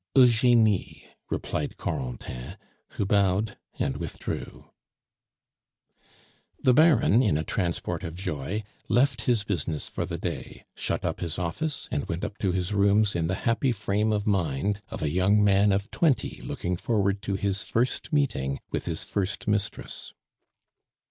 "Eugenie," replied Corentin, who bowed and withdrew. The Baron, in a transport of joy, left his business for the day, shut up his office, and went up to his rooms in the happy frame of mind of a young man of twenty looking forward to his first meeting with his first mistress.